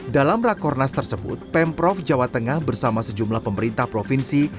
dalam rakornas tersebut pemprov jawa tengah bersama sejumlah pemerintah provinsi